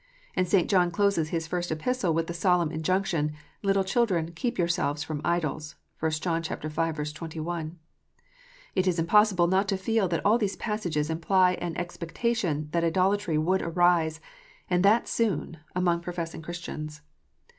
And St. John closes his first Epistle with the solemn injunction, " Little children, keep yourselves from idols." (1 John v. 21.) It is impossible not to feel that all these passages imply an expectation that idolatry would arise, and that soon, among professing Christians.